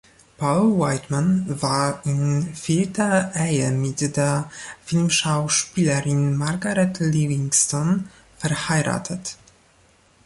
Paul Whiteman war in vierter Ehe mit der Filmschauspielerin Margaret Livingston verheiratet.